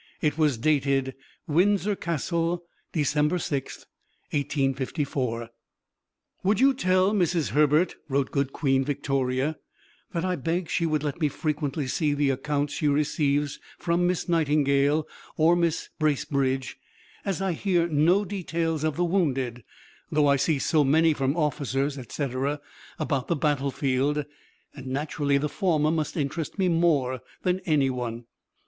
It was dated Windsor Castle, December 6, 1854. "Would you tell Mrs. Herbert," wrote good Queen Victoria, "that I beg she would let me see frequently the accounts she receives from Miss Nightingale or Mrs. Bracebridge, as I hear no details of the wounded, though I see so many from officers, etc., about the battlefield, and naturally the former must interest me more than anyone.